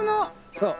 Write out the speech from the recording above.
そう。